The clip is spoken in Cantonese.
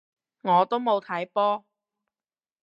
我都冇睇波